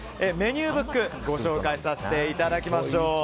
メニューブックご紹介させていただきましょう。